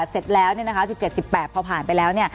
เสร็จแล้วนี่นะคะ๑๗๑๘พอผ่านไปแล้ว